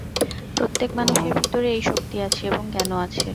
প্রত্যেক মানুষের ভিতরে এই শক্তি আছে এবং জ্ঞানও আছে।